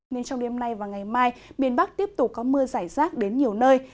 nên trong đêm nay và ngày mai miền bắc tiếp tục có mưa giải rác đến nhiều nơi